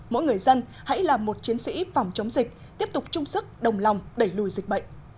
mỗi người dân hãy là một chiến sĩ phòng chống dịch tiếp tục chung sức đồng lòng đẩy lùi dịch bệnh